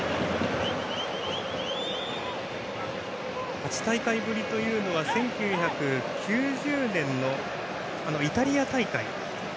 ８大会ぶりというのは１９９０年のイタリア大会。